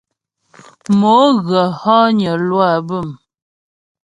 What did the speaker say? Mo ghə̀ hɔgnə lwâ bə̀m.